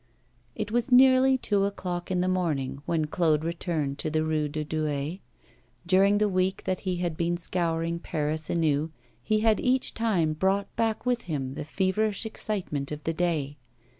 It was nearly two o'clock in the morning when Claude returned to the Rue de Douai. During the week that he had been scouring Paris anew, he had each time brought back with him the feverish excitement of the day.